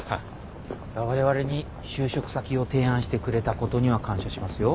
われわれに就職先を提案してくれたことには感謝しますよ。